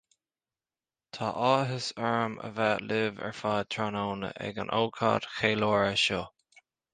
Tá áthas orm a bheith libh ar fad tráthnóna ag an ócáid cheiliúrtha seo